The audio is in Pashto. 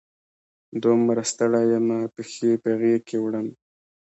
دومره ستړي یمه، پښې په غیږ کې وړمه